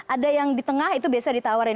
ada yang di tengah itu biasa ditawarin